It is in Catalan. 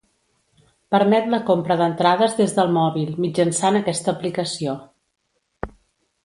Permet la compra d'entrades des del mòbil, mitjançant aquesta aplicació.